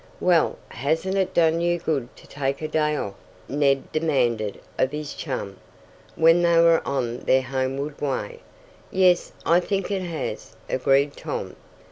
"Well, hasn't it done you good to take a day off?" Ned demanded of his chum, when they were on their homeward way. "Yes, I think it has," agreed Tom.